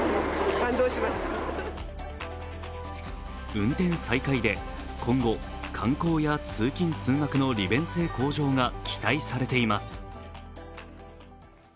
運転再開で今後、観光や通勤通学の利便性向上が期待されています。